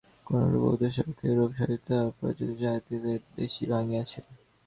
কোনরূপ উপদেশ অপেক্ষা ইউরোপের সহিত বাণিজ্যের প্রতিযোগিতায় জাতিভেদ বেশী ভাঙিয়াছে।